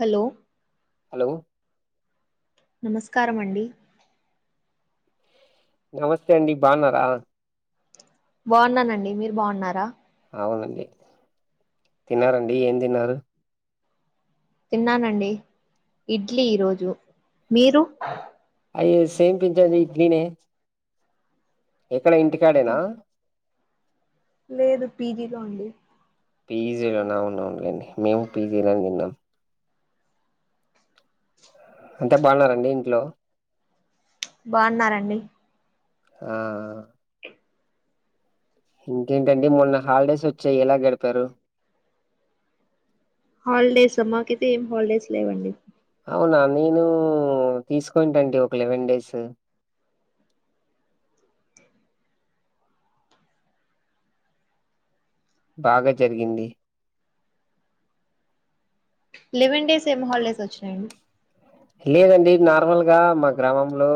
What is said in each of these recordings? Hello hello నమస్కార మండి నమస్తే అండి బాన్నారా బాగున్నానండి మీరు బాగున్నారా బాగుంనండి తిన్నారండి ఏం తిన్నారు తిన్నానండి ఇడ్లీ ఈరోజు మీరు అయ్యో సేమపించాలి ఇడ్లీనే ఎక్కడ ఇంటికాడేనా లేదు పీజీలో అండి పిజీలో అవునవును లేండి మేము పిజీలానే తిన్నాం అంత బాగున్నారండి ఇంట్లో బాగున్నారండి ఆ ఆ ఇంకేంటండి మొన్న హాలిడేస్ వచ్చాయి ఎలా గడిపారు హాలిడేస్ ఆ మాకైతే ఏం హాలిడేస్ లేవండి అవునా నేను తీసుకోంటండి ఒక లెవెన్ డేస్ బాగా జరిగింది లెవెన్ డేస్ ఏం హాలిడేస్ వచ్చినాయండి లేదండి నార్మల్గా మాకు గ్రామంలో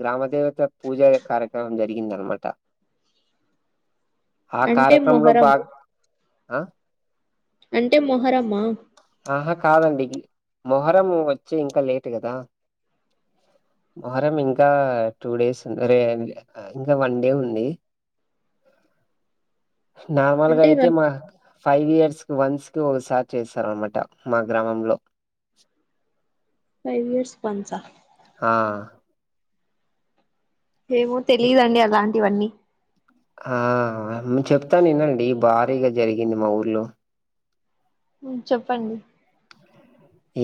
గ్రామ దేవత పూజ కార్యక్రమం జరిగిందనమాట ఆ అంటే కార్యక్రమంలో మొహరమ్ బాగ ఆ అంటే మొహరమ్మా ఆహా కాదండి మొహరం వచ్చి ఇంకా లేటు కదా మొహరం ఇంకా టూ డేస్ ఉంది ఇంకా వన్ డే ఉంది [inaudible] నార్మల్గా అంటే అయితే మా ఫైవ్ ఇయర్స్ కి వన్స్ కి ఒకసా చేస్తారనమాట మా గ్రామంలో ఫైవ్ ఇయర్స్ పంచా ఆ ఏమో తెలిదండి అలాంటివన్నీ ఆ చెప్తాను వినండి భారీగా జరిగింది మా ఊర్లో చెప్పండి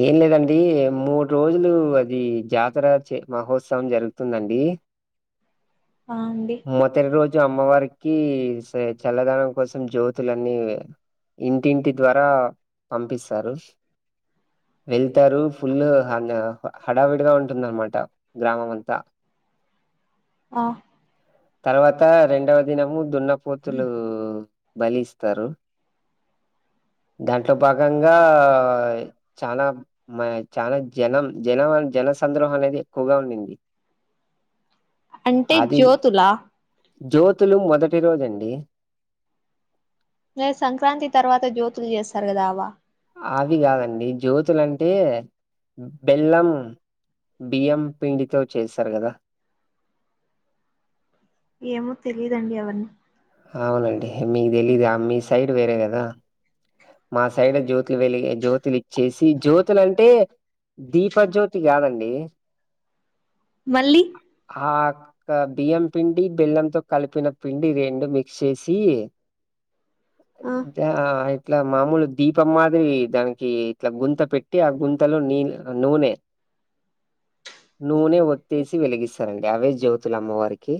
ఏం లేదండి మూడు రోజులు అది జాతర మహోత్సవం జరుగుతుందండి ఆ అండి మొద ర అమ్మవారికి చల్లదనం కోసం జ్యోతులన్నీ ఇంటింటి ద్వారా పంపిస్తారు వెళ్తారు ఫుల్ హడావిడిగా ఉంటుందనమాట గ్రామం అంతా [inaudible] ఆ తర్వాత రెండవ దినము దున్నపోతులు బలి ఇస్తారు దాంట్లో భాగంగా చాలా మ చాలా జనం జనం జన సంద్రహం అనేది ఎక్కువగా ఉండింది [inaudible] అంటే అది జ్యోతులా జ్యోతులు మొదటి రోజండి లే సంక్రాంతి తర్వాత జ్యోతులు చేస్తారు కదా అవా అవి కాదండి జ్యోతులంటే బెల్లం బియ్యం పీండితో చేశారు కదా ఏమో తెలిదండి అవన్నీ అవునండి మీకు తెలీదు మీ సైడ్ వేరే కదా మా సైడ్ జ్యోతులు వెలిగే జ్యోతులు ఇచ్చేసి జ్యోతులంటే దీపజ్యోతి కాదండి మళ్ళీ ఆ బియ్యం పిండి బెల్లంతో కలిపిన పిండి రెండు మిక్స్ చేసి ఆ జా ఆ ఇట్లా మామూలు దీపం మాదిరి దానికి ఇట్లా గుంత పెట్టి ఆ గుంతలో నీ నూనె నూనె ఒతేసి వెలిగిస్తారండి అవే జ్యోతుల అమ్మవారికి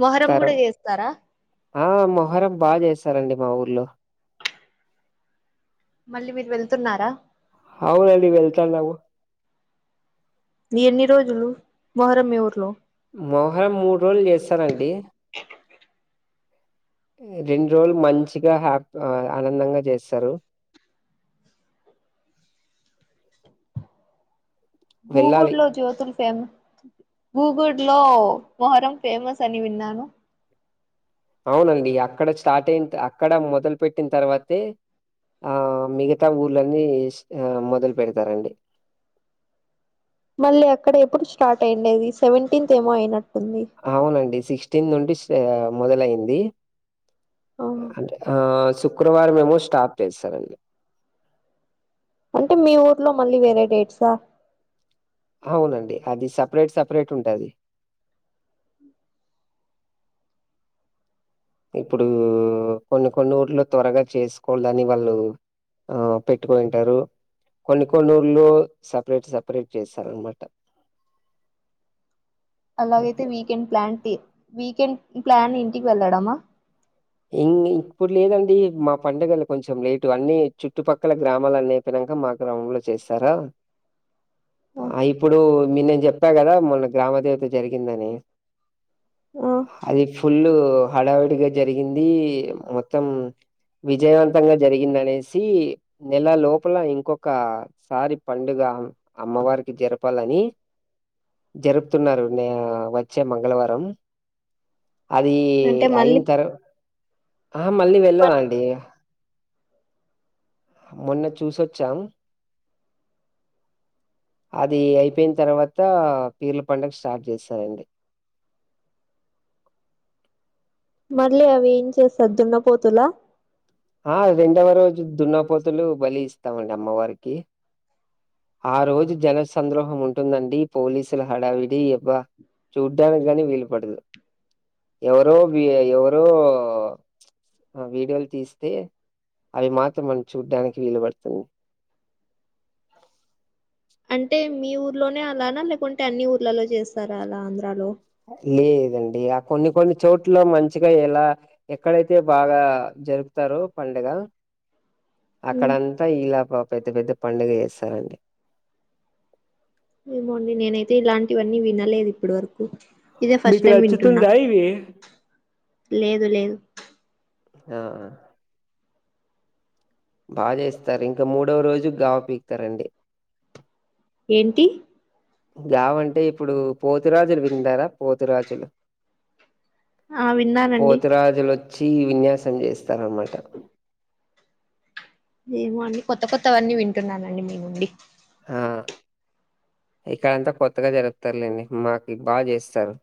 మొహరం తరు కూడా చేస్తారా ఆ మొహరం బాగా చేస్తారండి మా ఊర్లో మళ్ళీ మీరు వెళ్తున్నారా అవునండి వెళ్తానము ఎన్ని రోజులు మొహరం మీ ఊర్లో మోహరం మూడు రోజులు చేస్తారండి రెండు రోజులు మంచిగా హ్యాప్ ఆనందంగా చేస్తారు [inaudible] వెళ్ళాలి గూగుడ్ లో జ్యోతుల్ ఫేమస్ గూగుడ్ లో మొహరం ఫేమస్ అని విన్నాను అవునండి అక్కడ స్టార్ట్ అయిన అక్కడ మొదలు పెట్టిన తర్వాతే ఆ మిగతా ఊర్ళన్నీ ఆ మొదలు పెడతారండి మళ్ళీ అక్కడ ఎప్పుడు స్టార్ట్ అయియండేది సెవెంటీన్త్ ఏమో అయినట్టు అవునండి సిక్స్టీన్ నుండి మొదలయంది అంటే సు ఆ శుక్రవారం మేమో స్టాప్ చేస్తారండి అంటే మీ ఊర్లో మళ్ళీ వేరే డేట్సా అవునండి అది సపరేట్ సపరేట్ ఉంటది ఇప్పుడు కొన్ని కొన్ని ఊర్లో త్వరగా చేసుకోవలని వాళ్ళు ఆ పెట్టుకొనిటారు కొన్ని కొన్ని ఊళ్లో సపరేట్ సపరేట్ చేస్తారనమాట అలాగైతే వీకెండ్ ప్లాంటి వీకెండ్ ప్లాన్ ఇంటికి వెళ్ళడమా ఇ ఇప్పుడు లేదండి మా పండుగలు కొంచెం లేటు అన్ని చుట్టుపక్కల గ్రామాలన్న అయిపోయినా క మా గ్రామంలో చేస్తారా ఆ ఇప్పుడు మీ నేను చెప్పాకదా మొన్న గ్రామ దేవత జరిగిందని ఆ అది ఫుల్ హడావుడిగా జరిగింది మొత్తం విజయవంతంగా జరిగిందనేసి నెల లోపల ఇంకొక సారి పండుగ కా అమ్మవారికి జరపాలని జరుపుతున్నారు నే వచ్చే మంగళవారం అది అంటే మళ్ళీ అయిన తర్వా ఆ మళ్ళీ వెళ్ళామండి మొన్న చూసొచ్చాం అది అయిపోయిన తర్వాత పీర్ల పండుగ స్టార్ట్ చేస్తారండి [inaudible] మళ్లీ అవి ఏం చేస్త దున్నపోతులా ఆ రెండవ రోజు దున్నపోతులు బలి ఇస్తామండి అమ్మవారికి ఆ రోజు జన సంద్రోహం ఉంటుందండి పోలీసుల హడావిడి అబ్బా చూడ్డానికి గాని వీలు పడదు ఎవరో వీ ఎవరో వీడియోలు తీసి తే అవి మాత్రం మనం చూడ్డానికి వీలు పడుతుంది [inaudible] అంటే మీ ఊర్లోనే అలానా లేకుంటే అన్ని ఊర్లలో చేస్తారా అలా ఆంధ్రాలో లేదండి ఆ కొన్ని కొన్ని చోట్ల మంచిగా ఎలా ఎక్కడైతే బాగా జరుపుతారు పండుగ అక్కడంతా ఇలా పెద్ద పెద్ద పండుగ చేస్తారండి ఏమోండి నేనైతే ఇలాంటివన్నీ వినలేదు ఇప్పటి వరకు ఇదే ఫస్ట్ మీకు టైం వింటున్నా నచ్చుతుందా ఇవి లేదు లేదు ఆ బాగా చేస్తారు ఇంకా మూడవ రోజు గావ పీకుతారండి ఏంటి గావ అంటే ఇప్పుడు పోతురాజులు విన్నారా పోతురాజులు ఆ విన్నానండి పోతురాజులు వచ్చి విన్యాసం చేస్తారన్నమాట ఎమో అండి కొత్త కొత్తవన్నీ వింటున్నానండి మీ నుండి ఆ ఇక్కడంతా కొత్తగా జరుపుతారులేండి మాకు బాగా చేస్తారు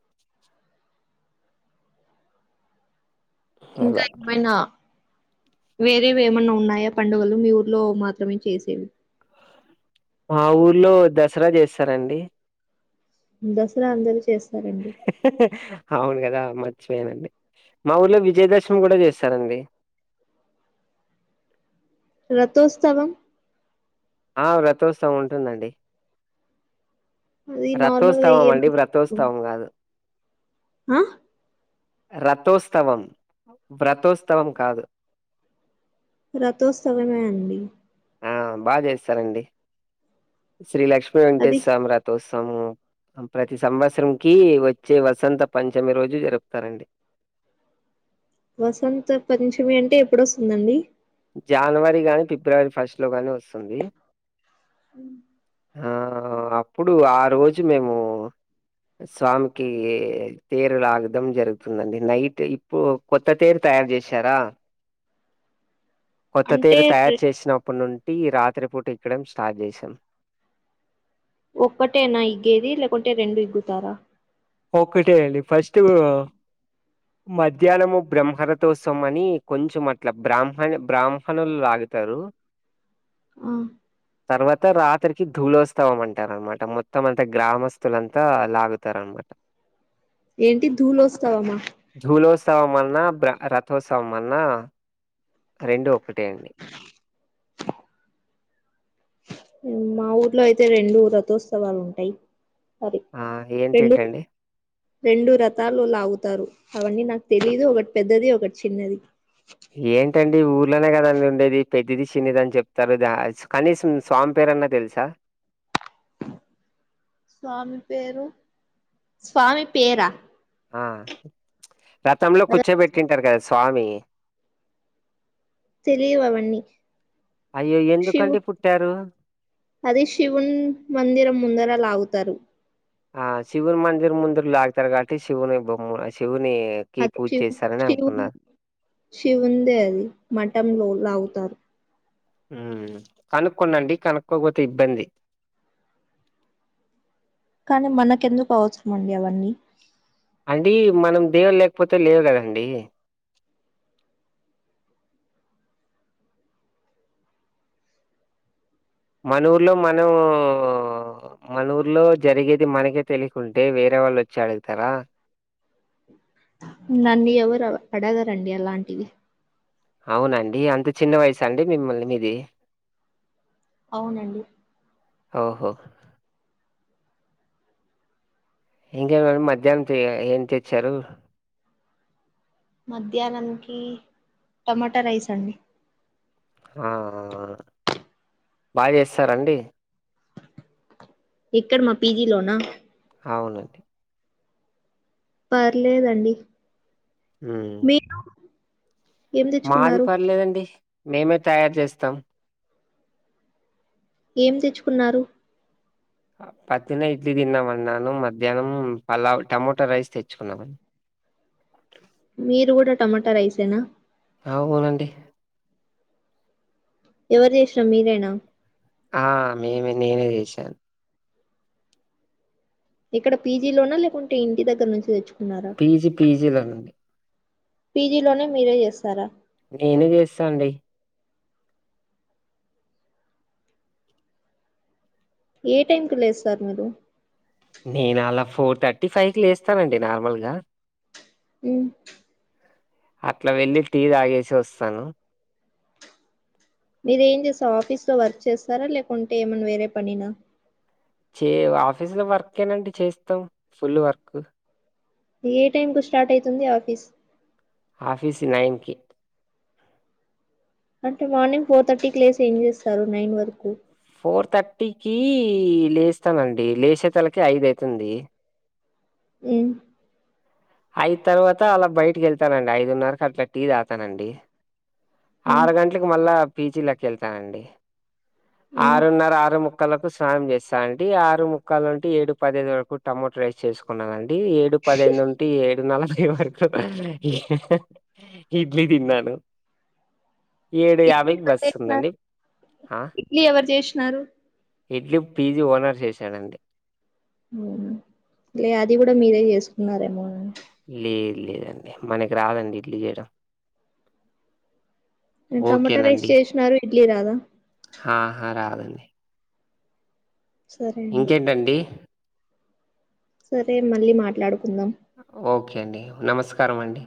ఇంకా అలా ఏమైనా వేరేవి ఏమన్నా ఉన్నాయా పండుగలు మీ ఊర్లో మాత్రమే చేసేవి మా ఊర్లో దసరా చేస్తారండి దసరా అందరు చేస్తా అవును కదా మర్చిపోయానండి మా ఊర్లో విజయదశమి కూడా చేస్తారండి రథోత్సవం ఆ రతోత్సవం ఉంటుందండి అది నార్మల్గా రథోత్సవం అండి వ్రతోత్సవం కాదు ఉం రథోత్స్తవం వ్రతోత్స్తవం కాదు రధోత్సవమే అండి ఆ బాగా చేస్తారండి శ్రీ లక్ష్మీ అది వెంకటేశ్వర స్వామి రథోత్సము ప్రతి సంవత్సరం కి వచ్చే వసంత పంచమి రోజు జరుపుతారండి వసంత పంచమి అంటే ఎప్పుడొస్తుందండి జాన్ వరి గాని ఫిబ్రవరి ఫస్ట్ లో గాని వస్తుంది ఉ ఆ అప్పుడు ఆ రోజు మేము స్వామికి తీరు లాగడం జరుగుతుందండి నైట్ ఇప్పు పొద్దటే తయారు చేసారా కొత్త అంటే తీరు తయారు చేసినప్పటి నుండి రాత్రి పూట ఇక్కడం స్టార్ట్ చేసినం ఒక్కటే నా ఇగ్గేది లేకుంటే రెండు ఇగ్గుతారా ఒకటే అండి ఫస్ట్ మధ్యాహ్నము బ్రహ్మరతోత్సవం అని కొంచెం అట్ల బ్రాహ్మణ బ్రాహ్మణులు లాగా గుతారు ఆ తర్వాత రాత్ త్రికి ధూళోత్సవం అంటారనమాట మొత్తం అంతా గ్రామస్తులంతా లాగుతారు అనమాట ఏంటి దులోస్తావమా నా బ్రా రథోత్సవమన్నా రెండు ఒకటే అండి మా ఊర్లో అయితే రెండు రథోత్సవాలు ఉంటాయి సారీ ఆ రెండు ఏంటేంటండి రెండు రథాలు లాగుతారు అవన్నీ నాకు తెలీదు ఒకటి పెద్దది ఒకటి చిన్నది ఏంటండి ఊర్లోనే కదండి ఉండేది పెద్దది చిన్నిది అని చెప్తారు ద కనీసం స్వామి పేరన్నా తెలుసా స్వామి పేరు స్వామి పేరా ఆ రతంలో అద కూర్చోబెట్టింటారు కదా స్వామి తెలియివ్ అవన్నీ అయ్యో శివ్ ఎందుకండి పుట్టారు అది శివున్ మందిరం ముందర లాగుతారు ఆ శివుని మందిర్ ముందుర్లు లాగుతారు కావట్టి శివుని బొమ్మ శివు అది శివ్ శివున్ శివుందే అది మాటంలో లాగుతారు ఉమ్ కనుక్కోండండి కనుక్కోపోతే ఇబ్బంది కానీ మనకెందుకు అవసరమా అండి అవన్నీ అండి మనం దేవుడు లేకపోతే లేవు కదండి మన ఊర్లో మనం మన ఊర్లో జరిగేది మనకే తెలియకుంటే వేరే వాళ్ళు వచ్చి అడుగుతారా నన్ను ఎవరు అడగరండి అలాంటివి అవునా అండి అంత చిన్న వాయిసా అండి మిముల్ల్ మీది అవునండి ఓహో ఇంకే మండి మధ్యాహ్నం ఏం తెచ్చారు మధ్యాహ్నంనికి టమాటా రైస్ అండి ఆ బాగా చేస్తారండి ఎక్కడ మా పీజీ లోనా అవునండి పర్లేదండి హ్మ్. మీరు ఏం మాది తెచ్చుకున్నారు పర్లేదండి మేమే తయారు చేస్తాం ఏం తెచ్చుకున్నారు పద్దున్నే ఇడ్లీ తిన్నామన్నాను మధ్యాహ్నం పలావ్ టమాటో రైస్ తెచ్చుకున్నాం మీరు కూడా టమాటా రైసేనా అవునండి ఎవరు చేసారు మీరేనా ఆ మేమే నేనే చేశాను ఇక్కడ పీజీ లోన లేకుంటే ఇంటి దగ్గర నుంచి తెచ్చుకో పీజీ పీజీలో నండి పీజీ లోనే మీరే చేస్తారా నేనే చేస్తా అండి ఏ టైం కు లేస్తారు మీరు నేను అలా ఫోర్ థర్టీ ఫైవ్ కి లేస్తానండి నార్మల్గా మ్మ్ అట్లా వెళ్లి టీ తాగేసి వస్తాను మీరేం చేస్తార ఆఫీస్ లో వర్క్ చేస్తారా లేకుంటే ఏమన్నా వేరే పనినా చే ఆఫీస్ లో వర్క్ ఏ నండి చేస్తాం ఫుల్ వర్క్ ఏ టైంకు స్టార్ట్ అయితుంది ఆఫీస్ ఆఫీసు నైన్ కి అంటే మార్నింగ్ ఫోర్ థర్టీ కీ లేసి ఏం చేస్తారు నైన్ వరకు ఫోర్ థర్టీకి లేస్తానండి లేచే తలకే ఐదు అయితుంది మ్మ్ ఐయిదు తర్వాత అలా బయటకి వెళ్తానండి ఐదున్నరకి అట్లా టీ తాగతానండి ఆ ఆరు గంటలకు మళ్ళా పీజి లోకి వెళ్తానండి మ్ ఆరున్నర ఆరు ముక్ ముక్కలకు స్నానం చేస్తానండి ఆరు ముక్కాల్ నుంటి ఏడు పదిఅయిదు వరకు టమోటో రైస్ చేసుకున్నానండి అండి ఏడు పద అయిదు నుంటి ఏడు నలభై వరకు ఇడ్లీ తిన్నాను ఏడు ఎన్ని యాభైకి గంటలకు బస్ లేచినారు? ఉందండి ఆ ఇడ్లీ ఎవరు చేసినారు ఇడ్లీ పీజీ ఓనర్ చేసాడండి తిన్నారండి మీరు లేదు లేదండి మనకి రాదండి ఇడ్లీ చేయడం ఓకే టమాటా రైస్ నండి చేసినారు ఇడ్లీ రాదా ఆహా రాదండి సరే అండి ఇంకేంటండి సరే మళ్ళీ మాట్లాడు ఓకే అండి నమస్కారం అండి